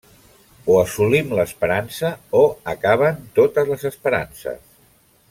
O assolim l'esperança o acaben totes les esperances.